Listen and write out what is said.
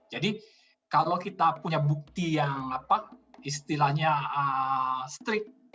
jadi kalau kita punya bukti yang istilahnya strict